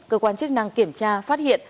cơ quan chức năng kiểm tra phát hiện